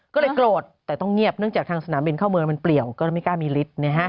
ก็เลยโกรธแต่ต้องเงียบเนื่องจากทางสนามบินเข้าเมืองมันเปลี่ยวก็ไม่กล้ามีฤทธิ์